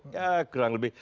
ya kurang lebih